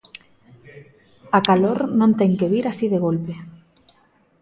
A calor non ten que vir así de golpe.